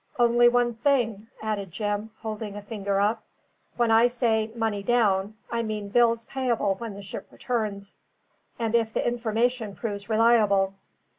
Only one thing!" added Jim, holding a finger up, "when I say 'money down,' I mean bills payable when the ship returns, and if the information proves reliable.